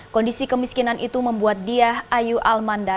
kondisi kemiskinan itu membuat diah ayu almanda